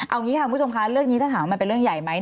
เอางี้ค่ะคุณผู้ชมคะเรื่องนี้ถ้าถามว่ามันเป็นเรื่องใหญ่ไหม